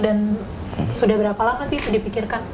dan sudah berapa lama sih itu dipikirkan